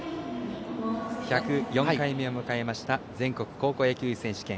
１０４回目を迎えました全国高校野球選手権。